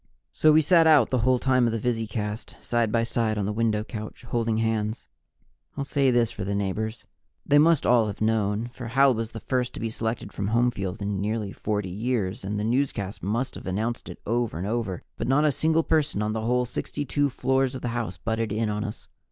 So we sat out the whole time of the visicast, side by side on the window couch, holding hands. I'll say this for the neighbors they must all have known, for Hal was the first to be selected from Homefield in nearly 40 years, and the newscast must have announced it over and over, but not a single person on the whole 62 floors of the house butted in on us.